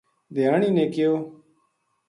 دھیانی نے کہیو